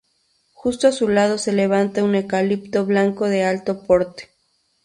Justo a su lado se levanta un eucalipto blanco de alto porte.